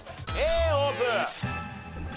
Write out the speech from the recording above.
Ａオープン！